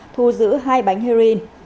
thu giữ hai bánh heroin